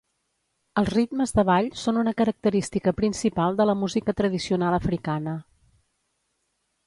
Els ritmes de ball són una característica principal de la música tradicional africana.